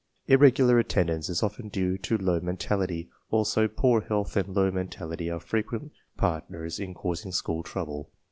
Irregular attendance is often due to low men tality; also, poor health and low mentality are frequent partners in causing school trouble.